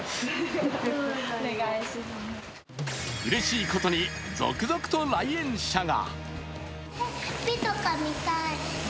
うれしいことに続々と来園者が。